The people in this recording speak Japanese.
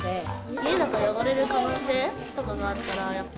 家だと汚れる可能性とかがあるから。